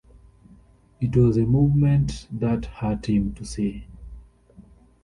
It was a movement that hurt him to see.